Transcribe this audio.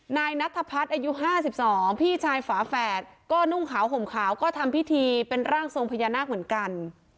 นายนัทพัฒน์อายุ๕๒พี่ชายฝาแฝดก็นุ่งขาวห่มขาวก็ทำพิธีเป็นร่างทรงพญานาคเหมือนกัน